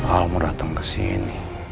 al mau datang kesini